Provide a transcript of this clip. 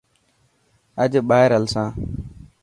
اڄ ٻاهر هلسان؟